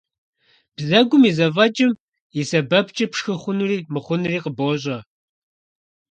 Бзэгум и зэфӀэкӀым и сэбэпкӀэ пшхы хъунури мыхъунури къыбощӀэ.